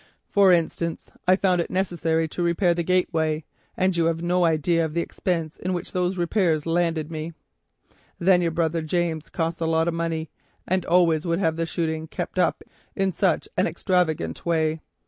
For instance, it was necessary to repair the gateway, and you have no idea of the expense in which those repairs landed me. Then your poor brother James cost a lot of money, and always would have the shooting kept up in such an extravagant way.